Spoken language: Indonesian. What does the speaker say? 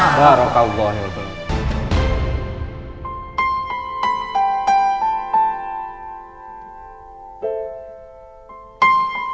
dan mas kawin tersebut tunai